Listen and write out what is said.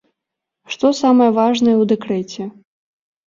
Што самае важнае ў дэкрэце?